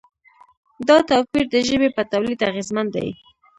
دا توپیر د ژبې په تولید اغېزمن دی.